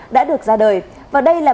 đã được ra đời và đây là